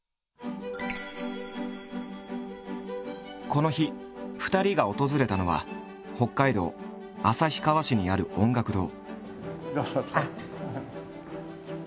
この日２人が訪れたのは北海道旭川市にある音楽堂。